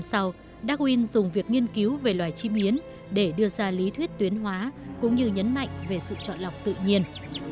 hai mươi năm sau darwin dùng việc nghiên cứu về loài chim hiến để đưa ra lý thuyết tuyến hóa cũng như nhấn mạnh về sự chọn lọc tự nhiên